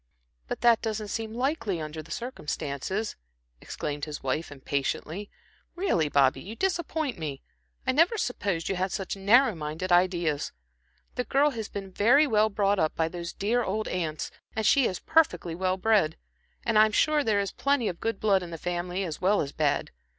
"But that doesn't seem likely, under the circumstances," exclaimed his wife, impatiently. "Really, Bobby, you disappoint me. I never supposed you had such narrow minded ideas. The girl has been very well brought up by those dear old aunts, and she is perfectly well bred. And I'm sure there is plenty of good blood in the family as well as bad.